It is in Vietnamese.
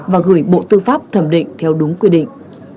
và gửi bộ tư pháp thẩm định theo đúng quy định